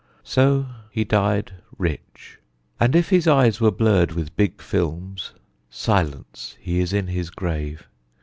So he died rich. And if his eyes were blurred With big films silence! he is in his grave.